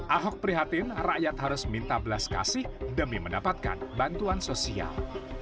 ahok prihatin rakyat harus minta belas kasih demi mendapatkan bantuan sosial